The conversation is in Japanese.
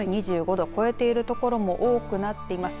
２５度を超えている所も多くなっています。